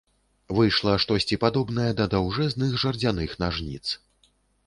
Выйшла штосьці падобнае да даўжэзных жардзяных нажніц.